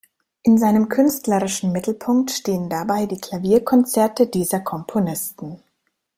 In seinem künstlerischen Mittelpunkt stehen dabei die Klavierkonzerte dieser Komponisten.